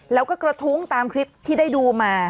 แล้วก็กระทุ้งตามคลิปที่ได้ดูมา